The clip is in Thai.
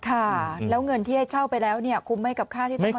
ค่ะแล้วเงินที่ให้เช่าไปแล้วคุ้มไหมกับค่าที่จะมาซ่อม